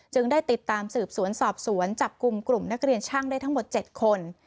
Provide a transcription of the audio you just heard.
ได้ติดตามสืบสวนสอบสวนจับกลุ่มกลุ่มนักเรียนช่างได้ทั้งหมด๗คน